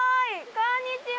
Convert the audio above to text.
こんにちは！